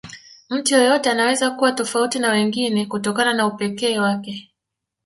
Mtu yeyote anaweza kuwa tofauti na wengine kutokana na upekee wake